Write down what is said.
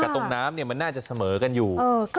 กับตรงน้ำเนี้ยมันน่าจะเสมอกันอยู่เออ